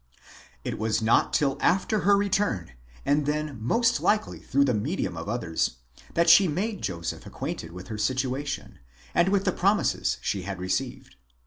It was not till after her return, and then most likely through the medium of others, that she made Joseph acquainted with her situation, and with the promises she had received.